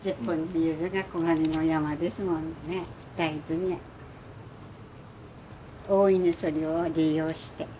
大事に大いにそれを利用して。